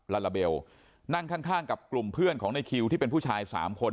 ลาลาเบลนั่งข้างกับกลุ่มเพื่อนของในคิวที่เป็นผู้ชาย๓คน